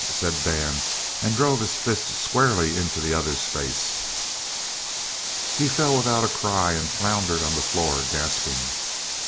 said Dan, and drove his fist squarely into the other's face. He fell without a cry and floundered on the floor, gasping.